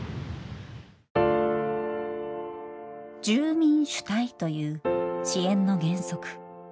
住民主体という支援の原則。